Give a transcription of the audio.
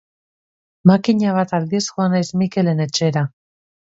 Makina bat aldiz joan naiz Mikelen etxera.